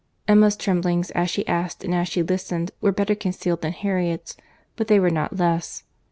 —Emma's tremblings as she asked, and as she listened, were better concealed than Harriet's, but they were not less.